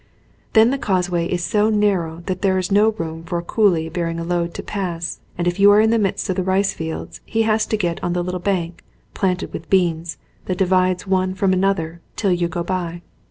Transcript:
Then the causeway is so nar row that there is no room for a coolie bearing a load to pass and if you are in the midst of the rice fields he has to get on the little bank, planted with beans, that divides one from another, till you go by.